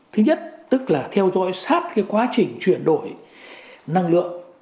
thứ nhất tức là theo dõi sát cái quá trình chuyển đổi năng lượng